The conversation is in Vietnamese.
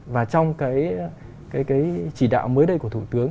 và trong cái chỉ đạo mới đây của thủ tướng